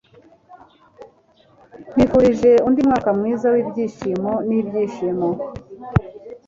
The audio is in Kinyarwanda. Nkwifurije undi mwaka mwiza wibyishimo nibyishimo